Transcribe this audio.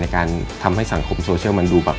การทำให้สังคมโซเชียลมันดูแบบ